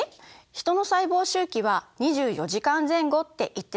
ヒトの細胞周期は２４時間前後って言ってなかった？